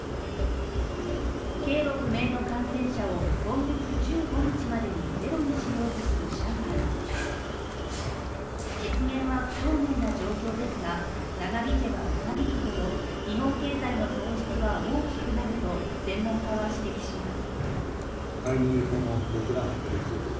経路不明の感染者を今月１５日までにゼロにしようとする上海実現は不透明な状況ですが長引けば長引くほど、日本経済の損失は大きくなると専門家は指摘します。